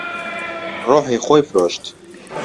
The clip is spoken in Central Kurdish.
ڕۆحی خۆی فرۆشت.